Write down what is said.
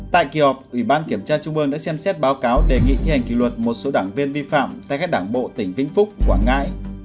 tại kỳ họp ủy ban kiểm tra trung ương đã xem xét báo cáo đề nghị thi hành kỷ luật một số đảng viên vi phạm tại các đảng bộ tỉnh vĩnh phúc quảng ngãi